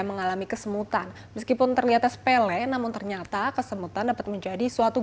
mengalami kesemutan meskipun terlihatnya sepele namun ternyata kesemutan dapat menjadi suatu